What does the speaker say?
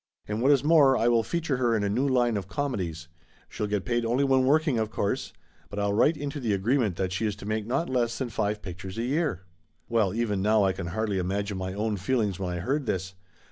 And what is more, I will feature her in a new line of com edies. She'll get paid only when working, of course. But I'll write into the agreement that she is to make not less than five pictures a year." Well, even now I can hardly imagine my own feel ings when I heard this.